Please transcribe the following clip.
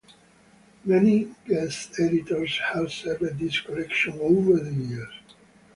Many guest editors have served this collection over the years.